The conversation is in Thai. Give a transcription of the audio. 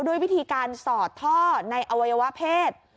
ด้วยวิธีการสอดท่อในอวัยวะเพศ